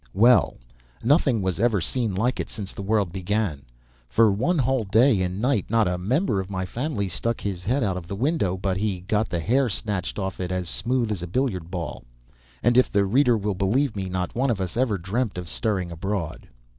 Well, nothing was ever seen like it since the world began. For one whole day and night not a member of my family stuck his head out of the window but he got the hair snatched off it as smooth as a billiard ball; and; if the reader will believe me, not one of us ever dreamt of stirring abroad.